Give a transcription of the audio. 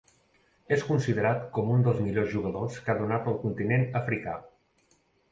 És considerat com un dels millors jugadors que ha donat el continent africà.